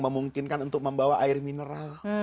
memungkinkan untuk membawa air mineral